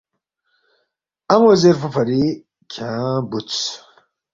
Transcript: ان٘و زیرفو فری کھیانگ بُودس